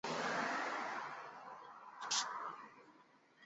此哈瓦那红辣椒受美国植物品种保护法保护。